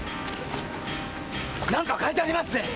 何か書いてありますぜ！